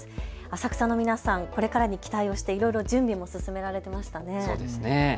浅草の皆さん、これからに期待をしていろいろ準備を進められていましたね。